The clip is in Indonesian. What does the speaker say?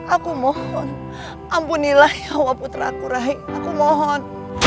aku mohon ampunilah ya allah putra aku rahi aku mohon